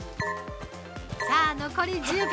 さあ、残り１０秒。